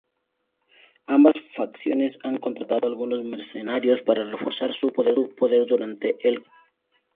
Ambas facciones han contratado algunos mercenarios para reforzar su poder durante el conflicto.